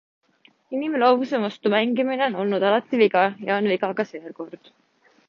Inimloomuse vastu mängimine on olnud alati viga ja on viga ka seekord.